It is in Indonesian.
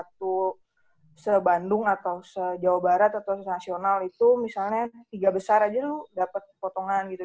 kalau lu juara satu se bandung atau se jawa barat atau se nasional itu misalnya tiga besar aja lu dapet potongan gitu